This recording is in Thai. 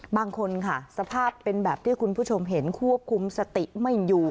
บางคนค่ะสภาพเป็นแบบที่คุณผู้ชมเห็นควบคุมสติไม่อยู่